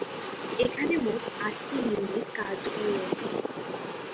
এখানে মোট আটটি ইউনিট কার্যকর রয়েছে।